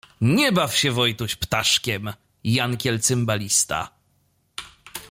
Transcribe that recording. Nie baw się Wojtuś ptaszkiem. Jankiel cymbalista